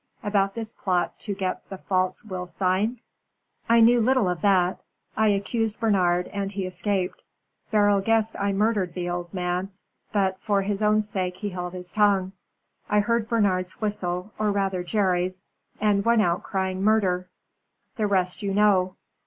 "About this plot to get the false will signed?" "I knew little of that. I accused Bernard, and he escaped. Beryl guessed I murdered the old man, but for his own sake he held his tongue. I heard Bernard's whistle, or rather Jerry's, and went out crying murder. The rest you know.